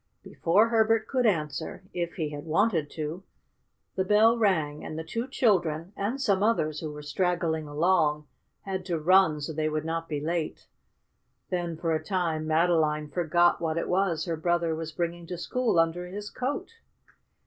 Before Herbert could answer, if he had wanted to, the bell rang and the two children, and some others who were straggling along, had to run so they would not be late. Then, for a time, Madeline forgot what it was her brother was bringing to school under his coat.